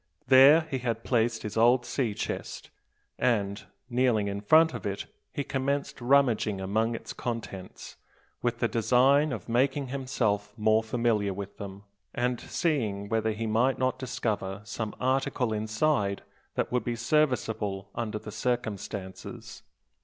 There he had placed his old sea chest; and, kneeling in front of it, he commenced rummaging among its contents, with the design of making himself more familiar with them, and seeing whether he might not discover some article inside that would be serviceable under the circumstances.